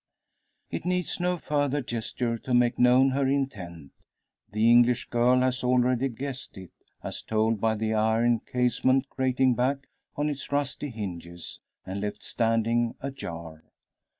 It needs no further gesture to make known her intent. The English girl has already guessed it, as told by the iron casement grating back on its rusty hinges, and left standing ajar.